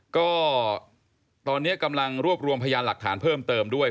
ก็ตอนนี้กำลังรวบรวมพยานหลักฐานเพิ่มเติมด้วย